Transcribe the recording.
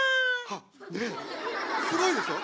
あっすごいでしょ？